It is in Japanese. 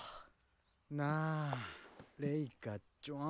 なあレイカちょわん。